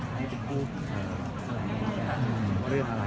ให้จะคิดว่ามนึงเป็นเรื่องอะไร